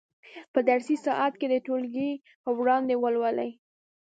په درسي ساعت کې یې د ټولګي په وړاندې ولولئ.